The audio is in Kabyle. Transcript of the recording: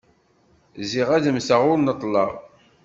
Ziɣ ad mteɣ ur neṭleɣ.